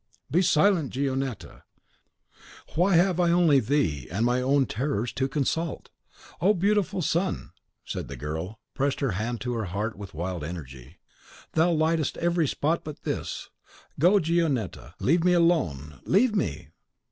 Be silent, Gionetta! Why have I only thee and my own terrors to consult? O beautiful sun!" and the girl pressed her hand to her heart with wild energy; "thou lightest every spot but this. Go, Gionetta! leave me alone, leave me!"